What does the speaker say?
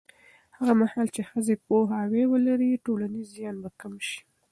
هغه مهال چې ښځې پوهاوی ولري، ټولنیز زیان به کم شي.